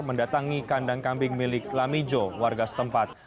mendatangi kandang kambing milik lamijo warga setempat